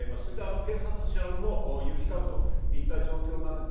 警察車両も行き交うといった状況ですね。